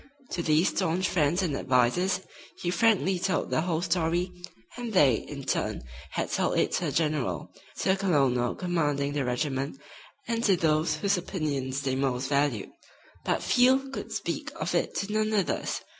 To these stanch friends and advisers he frankly told the whole story, and they, in turn, had told it to the general, to the colonel commanding the regiment and to those whose opinions they most valued; but Field could speak of it to none others.